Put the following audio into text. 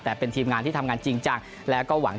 แต่เป็นทีมงานที่ทำงานจริงจัง